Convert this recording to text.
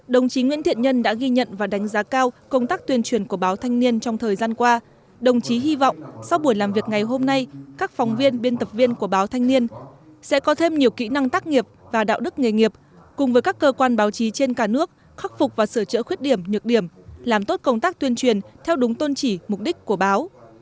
đồng chí nguyễn thiện nhân đã ghi nhận và đánh giá cao công tác tuyên truyền của báo thanh niên trong thời gian qua đồng chí hy vọng sau buổi làm việc ngày hôm nay các phòng viên biên tập viên của báo thanh niên sẽ có thêm nhiều kỹ năng tác nghiệp và đạo đức nghề nghiệp cùng với các cơ quan báo chí trên cả nước khắc phục và sửa chữa khuyết điểm nhược điểm làm tốt công tác tuyên truyền theo đúng tôn chỉ mục đích của báo